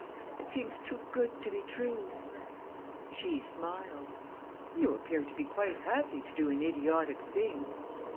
It seems too good to be true!" She smiled: "You appear to be quite happy to do an idiotic thing!"